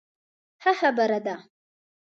ښه خبره ده.